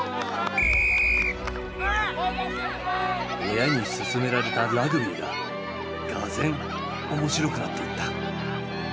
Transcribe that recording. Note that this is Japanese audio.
親にすすめられたラグビーががぜん面白くなっていった。